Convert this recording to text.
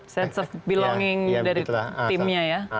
sense of belonging dari timnya ya